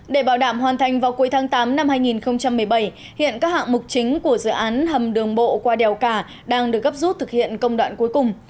để bảo đảm hoàn thành vào cuối tháng tám năm hai nghìn một mươi bảy hiện các hạng mục chính của dự án hầm đường bộ qua đèo cả đang được gấp rút thực hiện công đoạn cuối cùng